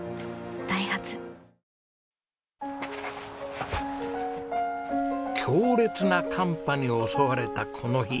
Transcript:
ダイハツ強烈な寒波に襲われたこの日。